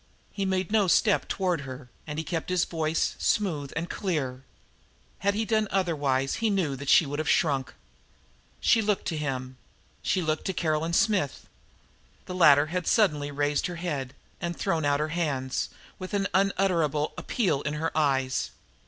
He made no step toward her, and he kept his voice smooth and clear. Had he done otherwise he knew that she would have shrunk. She looked to him, she looked to Caroline Smith. The latter had suddenly raised her head and thrown out her hands, with an unutterable appeal in her eyes.